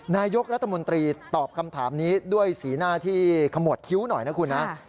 นายกรัฐมนตรีตอบคำถามนี้ด้วยสีหน้าที่ขมวดคิ้วหน่อยนะคุณนะ